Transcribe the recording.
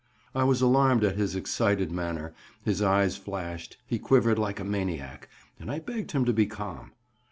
I was alarmed at his excited manner; his eyes flashed, he quivered like a maniac, and I begged him to be calm.